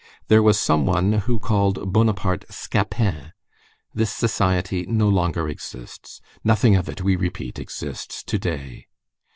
There was some one who called Bonaparte Scapin. This Society no longer exists. Nothing of it, we repeat, exists to day.